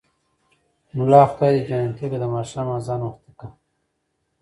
ملا خداى دى جنتې که ـ د ماښام ازان وختې که.